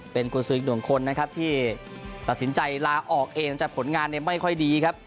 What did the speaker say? เป็นกุญสืออีกหนึ่งคนนะครับที่ตัดสินใจลาออกเองแต่ผลงานเนี่ยไม่ค่อยดีครับ